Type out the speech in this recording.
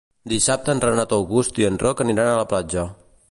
Dissabte en Renat August i en Roc aniran a la platja.